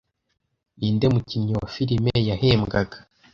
ninde mukinnyi wa firime yahembwaga